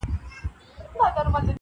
ترېنه وغواړه لمن كي غيرانونه-